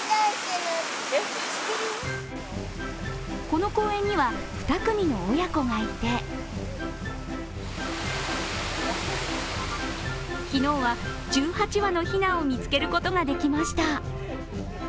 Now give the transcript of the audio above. この公園には、２組の親子がいて昨日は１８羽のヒナを見つけることができました。